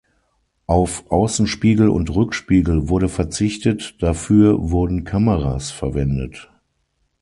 Auf Außenspiegel und Rückspiegel wurde verzichtet, dafür wurden Kameras verwendet.